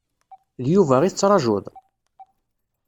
D Yuba i tettrajuḍ?